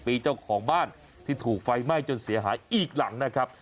ปีเจ้าของบ้านที่ถูกไฟไหม้จนเสียหายอีกหลังนะครับ